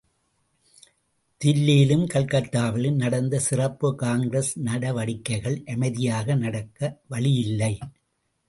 தில்லியிலும், கல்கத்தாவிலும் நடந்த சிறப்புக் காங்கிரஸ் நடவடிக்கைகள் அமைதியாக நடக்க வழி இல்லை.